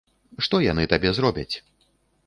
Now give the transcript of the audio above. Што яны табе зробяць?